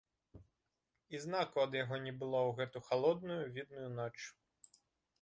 І знаку ад яго не было ў гэту халодную, відную ноч.